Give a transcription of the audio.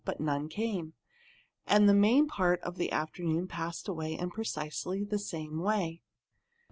But none came. And the main part of the afternoon passed in precisely the same way.